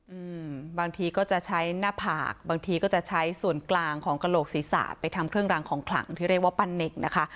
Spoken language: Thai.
อืมบางทีก็จะใช้หน้าผากบางทีก็จะใช้ส่วนกลางของกระโหลกศีรษะไปทำเครื่องรางของขลังที่เรียกว่าปั้นเนกนะคะ